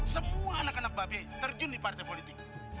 semua anak anak mbak be terjun di partai politik